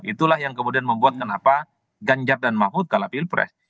itulah yang kemudian membuat kenapa ganjar dan mahfud kalah pilpres